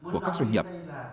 của các xuân nhập